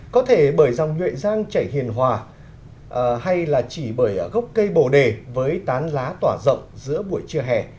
có thể bởi dòng nhuệ giang chảy hiền hòa hay là chỉ bởi gốc cây bồ đề với tán lá tỏa rộng giữa buổi trưa hè